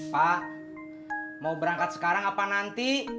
pak mau berangkat sekarang apa nanti